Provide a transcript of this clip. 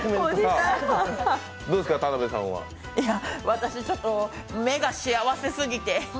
私、ちょっと目が幸せすぎて。